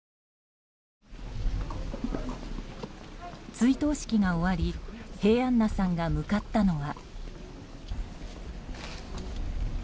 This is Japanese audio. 追悼式が終わり平安名さんが向かったのは。